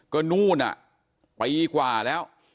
ก็นู่นน่ะไปอีกกว่าแล้ว